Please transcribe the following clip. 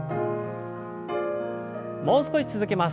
もう少し続けます。